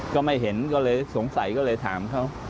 ก็ไม่เห็นก็เลยสงสัยก็เลยถามเขา